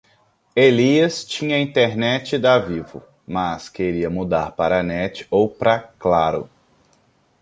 Elias tinha internet da Vivo, mas queria mudar pra Net ou pra Claro.